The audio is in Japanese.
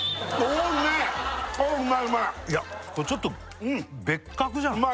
これちょっと別格じゃない？